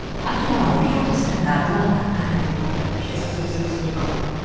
警察に連れて行くつもりか？